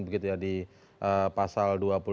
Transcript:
begitu ya di pasal dua puluh tiga